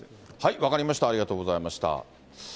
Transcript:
分かりました、ありがとうございました。